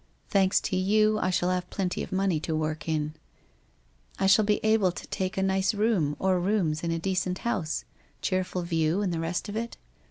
Thanks to you, I shall have plenty of money to work in. I shall be able to take a nice room, or rooms, in a decent house, cheerful view, and the rest of it.